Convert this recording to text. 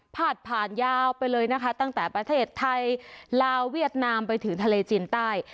พาดผ่านยาวไปเลยนะคะตั้งแต่ประเทศไทยลาวเวียดนามไปถึงทะเลจีนใต้